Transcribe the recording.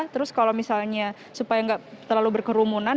terus kalau misalnya supaya nggak terlalu berkerumunan